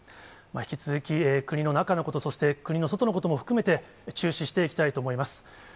引き続き、国の中のこと、そして国の外のことも含めて、注視していきたいと思います。